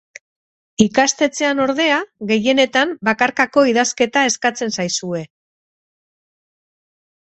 Ikastetxean, ordea, gehienetan bakarkako idazketa eskatzen zaizue.